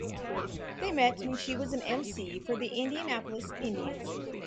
They met when she was an emcee for the Indianapolis Indians.